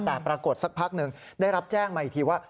แต่ปรากฏสักพักหนึ่งได้รับแจ้งมาอีกทีว่า